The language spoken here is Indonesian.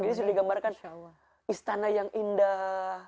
jadi sudah digambarkan istana yang indah